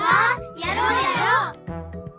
やろうやろう！